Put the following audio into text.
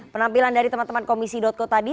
penampilan dari teman teman komisi co tadi